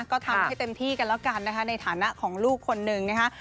ก็ทำให้เต็มที่กันแล้วกันนะคะในฐานะของลูกคนหนึ่งนะคะ